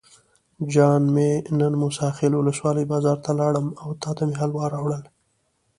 جان مې نن موسی خیل ولسوالۍ بازار ته لاړم او تاته مې حلوا راوړل.